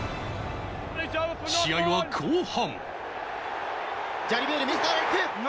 試合は後半。